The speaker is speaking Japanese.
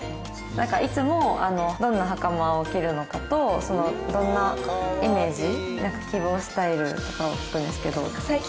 なんかいつもどんな袴を着るのかとどんなイメージ希望スタイルとかを聞くんですけど。